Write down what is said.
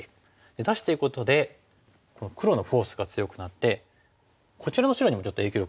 出してることでこの黒のフォースが強くなってこちらの白にもちょっと影響力ないですか？